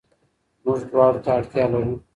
موږ دواړو ته اړتيا لرو.